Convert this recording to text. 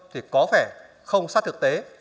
thì có vẻ không sát thực tế